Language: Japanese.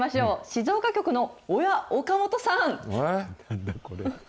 静岡局の岡本さん。